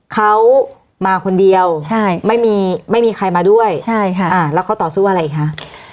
เขามาคนเดียวไม่มีใครมาด้วยแล้วเขาต่อสู้ว่าอะไรอีกคะ